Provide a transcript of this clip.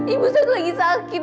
ibu saya lagi sakit